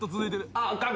あかん。